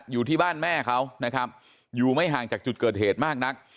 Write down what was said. อยู่ที่บ้านแม่เขานะครับอยู่ไม่ห่างจากจุดเกิดเหตุมากนัก